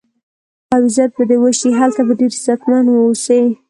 او عزت به دې وشي، هلته به ډېر عزتمن و اوسې.